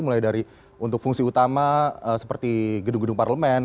mulai dari untuk fungsi utama seperti gedung gedung parlemen